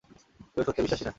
কেউ সত্যে বিশ্বাসি না।